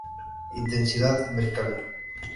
Intensidad Mercalli